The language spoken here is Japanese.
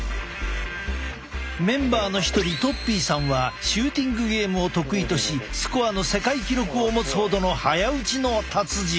メンバーの一人とっぴーさんはシューティングゲームを得意としスコアの世界記録を持つほどの早撃ちの達人。